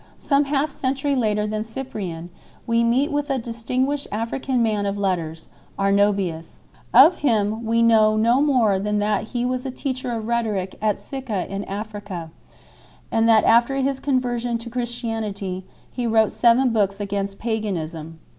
Some half century later than Cyprian we meet with a distinguished African man of letters, Arnobius 1 . Of him we know no more than that he was a teacher of rhetoric at Sicca in Africa, and that after his conversion to Christianity he wrote seven books against paganism.